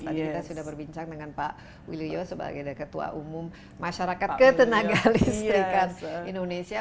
tadi kita sudah berbincang dengan pak wiluyo sebagai ketua umum masyarakat ketenaga listrikan indonesia